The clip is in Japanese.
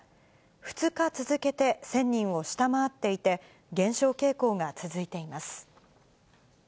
２日続けて１０００人を下回っていて、減少傾向が続いています。